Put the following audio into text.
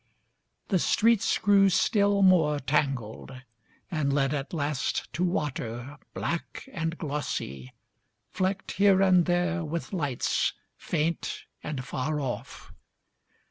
... The streets grew still more tangled, And led at last to water black and glossy, Flecked here and there with lights, faint and far off.